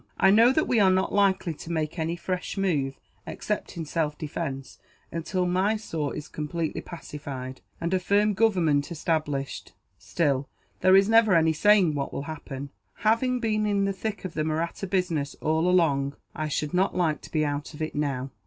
I know that we are not likely to make any fresh move, except in self defence, until Mysore is completely pacified, and a firm government established. Still, there is never any saying what will happen. Having been in the thick of the Mahratta business, all along, I should not like to be out of it, now."